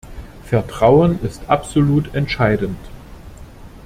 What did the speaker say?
Vertrauen ist absolut entscheidend.